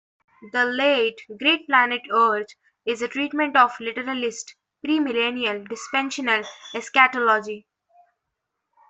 "The Late, Great Planet Earth" is a treatment of literalist, premillennial, dispensational eschatology.